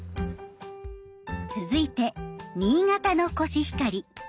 続いて新潟のコシヒカリ。